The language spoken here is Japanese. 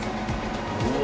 うわ。